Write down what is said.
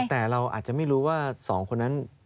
หวังแต่เราอาจจะไม่รู้ว่า๒คนนั้น